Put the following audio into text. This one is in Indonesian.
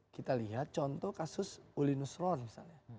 kita lihat contoh kasus uli nusron misalnya